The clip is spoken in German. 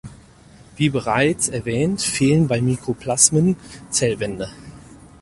Wie bereits erwähnt fehlen bei Mykoplasmen Zellwände.